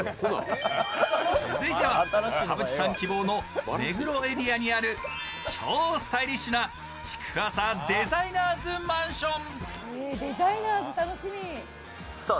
続いては田渕さん希望の目黒エリアにある超スタイリッシュな築浅デザイナーズマンション。